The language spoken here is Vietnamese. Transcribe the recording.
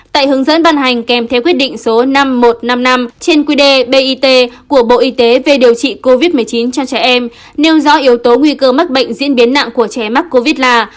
tại hướng dẫn ban hành kèm theo quyết định số năm nghìn một trăm năm mươi năm trên quy đề bit của bộ y tế về điều trị covid một mươi chín cho trẻ em nêu rõ yếu tố nguy cơ mắc bệnh diễn biến nặng của trẻ mắc covid là